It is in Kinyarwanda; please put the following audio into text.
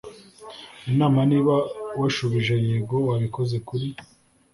inama niba washubije yego wabikoze kuri